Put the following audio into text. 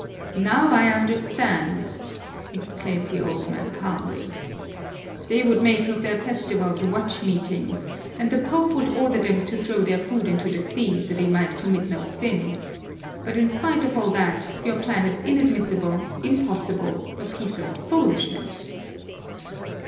"Now I understand!" exclaimed the old man calmly. "They would make of their festivals watch meetings, and the Pope would order them to throw their food into the sea so that they might commit no sin. But, in spite of all that, your plan is inadmissible, impossible, a piece of foolishness!"